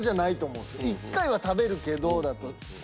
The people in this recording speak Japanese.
１回は食べるけどだと思うんで。